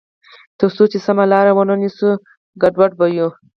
تر څو چې سمه لار ونه نیسو، ګډوډ به یو.